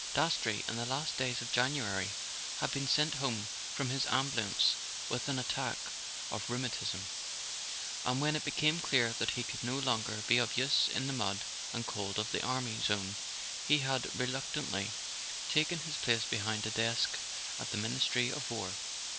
Dastrey, in the last days of January, had been sent home from his ambulance with an attack of rheu¬ matism; and when it became clear that he could no longer be of use in the mud and cold of the army zone he had reluctantly taken his place behind a desk at the Ministry of War.